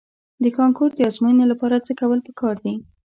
د کانکور د ازموینې لپاره څه کول په کار دي؟